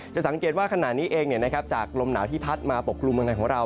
สังเกตว่าขณะนี้เองจากลมหนาวที่พัดมาปกครุมเมืองไทยของเรา